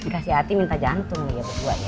kasih hati minta jantung nih ya buat gue ya